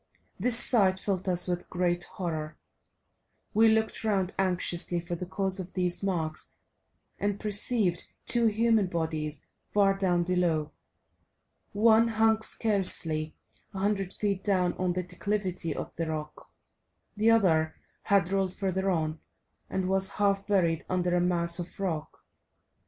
This sight filled us with great horror; we looked round anxiously for the cause of these marks and perceived two human bodies far down below. One hung scarcely a hundred feet down on the declivity of the rock, the other had rolled further on, and was half buried under a mass of rock.